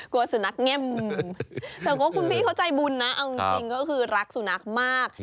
สุนัขแง่มแต่ว่าคุณพี่เขาใจบุญนะเอาจริงก็คือรักสุนัขมาก